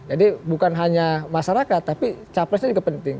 jadi bukan hanya masyarakat tapi capresnya juga penting